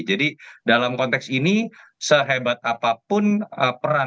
jadi dalam konteks ini sehebat apapun peran